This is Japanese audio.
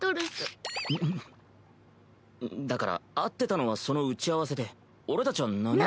カシャだから会ってたのはその打ち合わせで俺たちは何も。